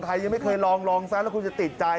ยังไม่เคยลองลองซะแล้วคุณจะติดใจ